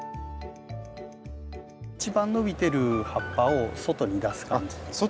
一番伸びてる葉っぱを外に出す感じで。